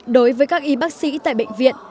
đối với các y bác sĩ tại bệnh viện